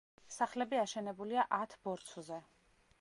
სახლები აშენებულია ათ ბორცვზე.